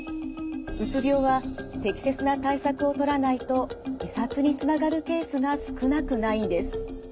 うつ病は適切な対策をとらないと自殺につながるケースが少なくないんです。